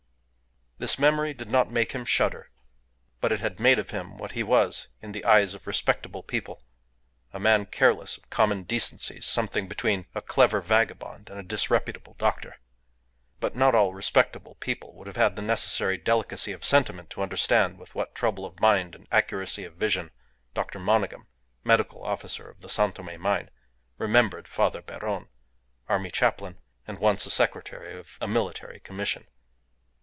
This memory did not make him shudder, but it had made of him what he was in the eyes of respectable people, a man careless of common decencies, something between a clever vagabond and a disreputable doctor. But not all respectable people would have had the necessary delicacy of sentiment to understand with what trouble of mind and accuracy of vision Dr. Monygham, medical officer of the San Tome mine, remembered Father Beron, army chaplain, and once a secretary of a military commission.